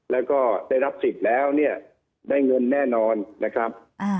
แล้วก็ได้รับสิทธิ์แล้วเนี่ยได้เงินแน่นอนนะครับ